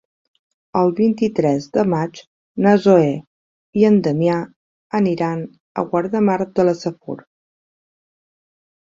El vint-i-tres de maig na Zoè i en Damià aniran a Guardamar de la Safor.